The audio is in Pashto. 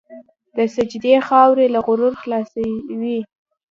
د سجدې خاورې له غرور خلاصوي.